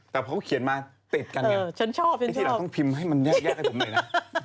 แต่พอเขาเขียนมาเต็ดกันอย่างนี้ที่หลังต้องพิมพ์ให้มันแยกให้ผมหน่อยนะ